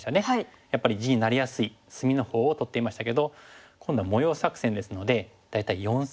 やっぱり地になりやすい隅のほうを取っていましたけど今度は模様作戦ですので大体４線。